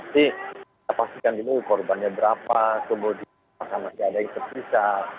kita pastikan dulu korbannya berapa kemudian apakah masih ada yang terpisah